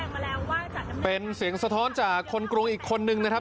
แจ้งมาแล้วว่าเป็นเสียงสะท้อนจากคนกรวงอีกคนนึงนะครับ